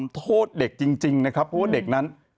โทษเด็กจริงนะครับเพราะว่าเด็กนั้น